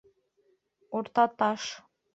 УРТАТАШ